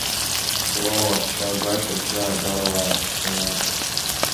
Уоо уаҳәшьа, агәашә абжьы аагар, уааҳәшьаа!